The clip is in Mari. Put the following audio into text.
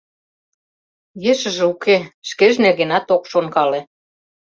Ешыже уке, шкеж нергенат ок шонкале.